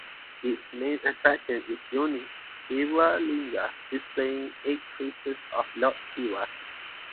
Its main attraction is a unique Shiva Linga displaying eight faces of Lord Shiva.